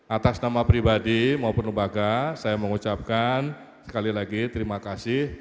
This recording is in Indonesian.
atas nama pribadi maupun lembaga saya mengucapkan sekali lagi terima kasih